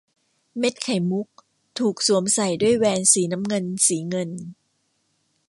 เม็ดไข่มุกถูกสวมใส่ด้วยแหวนสีน้ำเงินสีเงิน